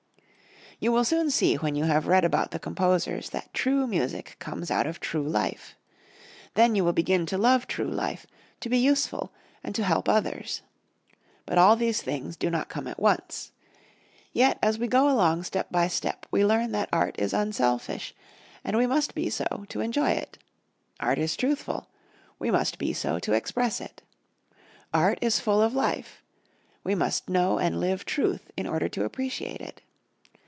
You will soon see when you have read about the composers that true music comes out of true life. Then you will begin to love true life, to be useful, and to help others. But all these things do not come at once. Yet, as we go along step by step, we learn that art is unselfish, and we must be so to enjoy it; art is truthful we must be so to express it; art is full of life we must know and live truth in order to appreciate it.